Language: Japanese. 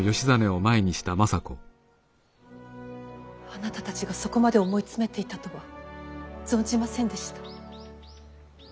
あなたたちがそこまで思い詰めていたとは存じませんでした。